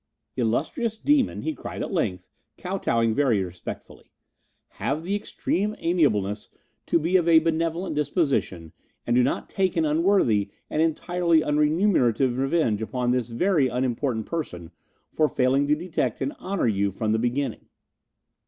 "Illustrious demon," he cried at length, kow towing very respectfully, "have the extreme amiableness to be of a benevolent disposition, and do not take an unworthy and entirely unremunerative revenge upon this very unimportant person for failing to detect and honour you from the beginning."